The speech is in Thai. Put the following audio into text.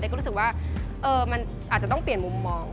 ก็รู้สึกว่ามันอาจจะต้องเปลี่ยนมุมมอง